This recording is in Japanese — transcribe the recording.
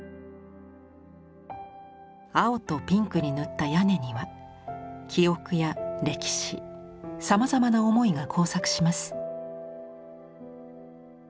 青とピンクに塗った屋根には記憶や歴史さまざまな思いが交錯します。